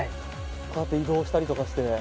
こうやって移動したりとかして。